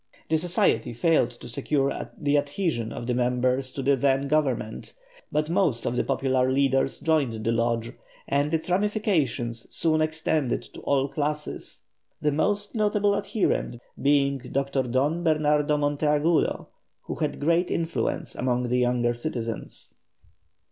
The Society failed to secure the adhesion of the members of the then Government, but most of the popular leaders joined the Lodge, and its ramifications soon extended to all classes, the most notable adherent being Dr. Don Bernardo Monteagudo, who had great influence among the younger citizens.